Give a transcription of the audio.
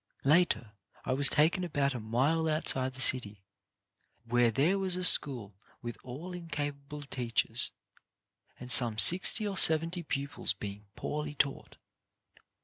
Later, I was taken about a mile outside the city, where there was a school with an incapable teacher, and some sixty or seventy pupils being poorly taught.